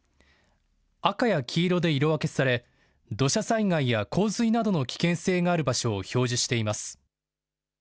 赤や黄色で色分けされ土砂災害や洪水などの危険性がある場所を表示しています。